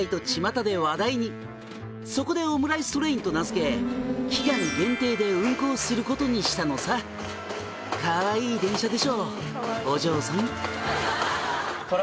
「そこでオムライストレインと名付け期間限定で運行することにしたのさ」「かわいい電車でしょお嬢さん」